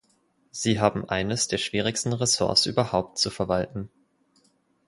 Sie haben eines der schwierigsten Ressorts überhaupt zu verwalten.